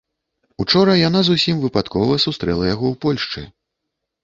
Учора яна зусім выпадкова сустрэла яго ў Польшчы.